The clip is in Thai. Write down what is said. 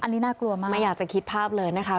อันนี้น่ากลัวมากไม่อยากจะคิดภาพเลยนะคะ